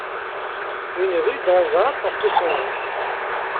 Une rue d'Anzin porte son nom.